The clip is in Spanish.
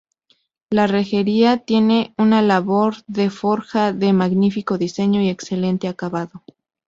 La rejería tiene una labor de forja de magnífico diseño y excelente acabado.